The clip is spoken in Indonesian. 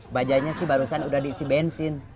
bajainya sih barusan udah diisi bensin